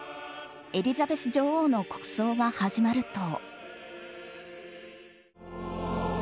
エリザベス女王の国葬が始まると。